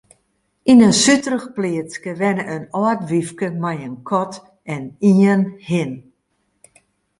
Yn in suterich pleatske wenne in âld wyfke mei in kat en ien hin.